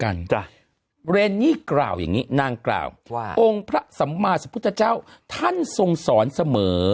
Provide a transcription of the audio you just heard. จ้ะเรนนี่กล่าวอย่างนี้นางกล่าวว่าองค์พระสัมมาสพุทธเจ้าท่านทรงสอนเสมอ